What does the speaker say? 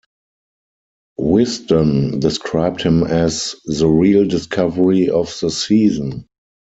"Wisden" described him as "the real discovery of the season".